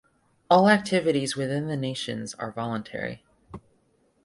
All activities within the nations are voluntary.